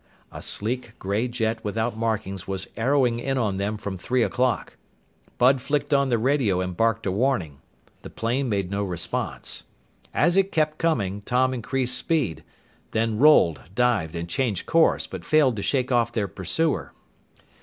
A sleek gray jet without markings was arrowing in on them from three o'clock. Bud flicked on the radio and barked a warning. The plane made no response. As it kept coming, Tom increased speed then rolled, dived, and changed course, but failed to shake off their pursuer.